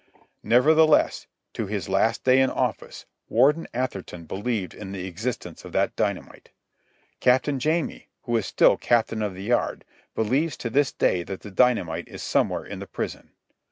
Nevertheless, to his last day in office Warden Atherton believed in the existence of that dynamite. Captain Jamie, who is still Captain of the Yard, believes to this day that the dynamite is somewhere in the prison.